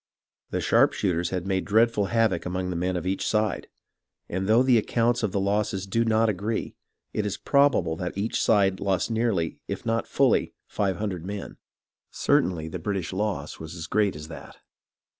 The sharpshooters had made dreadful havoc among the men of each side, and though the accounts of the losses do not agree, it is probable that each side lost nearly, if not fully, five hundred men. Certainly the British loss was as great as that.